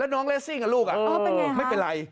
แล้วน้องเลสซิ่งลูกอ่ะไม่เป็นไร